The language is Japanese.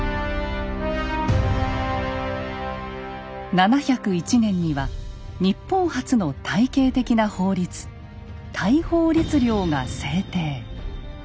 ７０１年には日本初の体系的な法律「大宝律令」が制定。